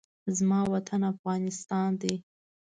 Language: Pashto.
زما وطن افغانستان ده